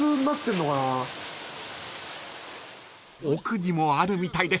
［奥にもあるみたいです